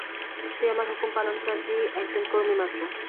তুই আমার হুকুম পালনকারী একজন কর্মী মাত্র।